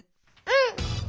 うん！